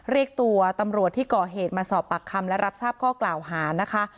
เรียกตัวตำรวจที่ก่อเหตุมาสอบปากคำและรับทราบข้อกล่าวหานะคะ